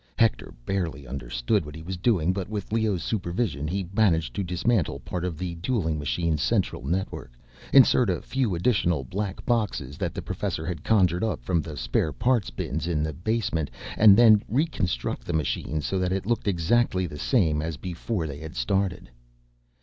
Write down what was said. Hector barely understood what he was doing, but with Leoh's supervision, he managed to dismantle part of the dueling machine's central network, insert a few additional black boxes that the professor had conjured up from the spare parts bins in the basement, and then reconstruct the machine so that it looked exactly the same as before they had started.